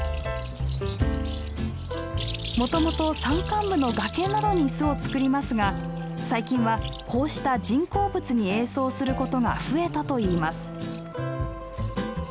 もともと山間部の崖などに巣を作りますが最近はこうした人工物に営巣することが増えたといいます。